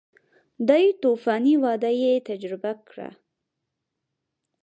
دې توفاني وده یې تجربه کړه